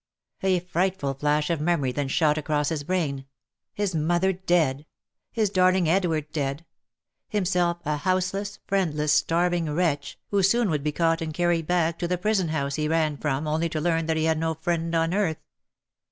A frightful flash of memory then shot across his brain — his mother dead — his darling Edward dead — himself a houseless, friendless, starving wretch, who soon would be caught and carried back to the prison house he had ran from only to learn that he had no friend on earth